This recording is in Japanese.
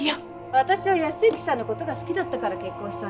私は靖之さんの事が好きだったから結婚したんです。